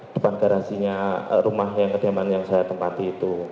depan garasinya rumah yang kediaman yang saya tempati itu